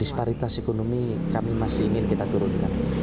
disparitas ekonomi kami masih ingin kita turunkan